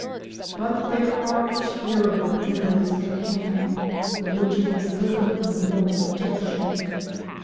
But there are terrible enemies at hand from which it has little or no protection.